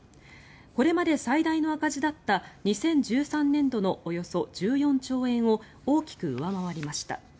これまで最大の赤字だった２０１３年度のおよそ１４兆円を大きく上回りました。